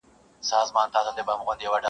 که مېرويس دی- که اکبر- که مسجدي دی-